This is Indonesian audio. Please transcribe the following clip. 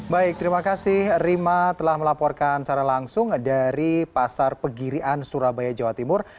baik terima kasih rima telah melaporkan secara langsung dari pasar pegirian surabaya jawa timur